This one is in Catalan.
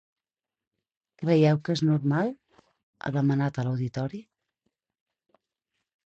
Creieu que és normal?, ha demanat a l’auditori.